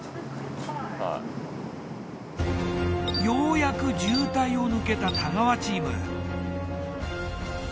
ようやく渋滞を抜けた太川チーム。